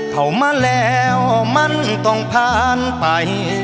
เข้ามาแล้วมันต้องผ่านไป